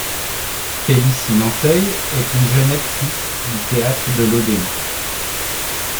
Félicie Nanteuil est une jeune actrice du théâtre de l'Odéon.